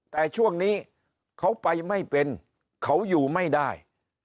แต่ช่วงนี้เขาไปไม่เป็นเขาอยู่ไม่ได้